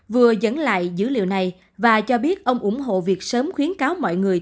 vừa dẫn lại dữ liệu này và cho biết ông ủng hộ việc sớm khuyến cáo mọi người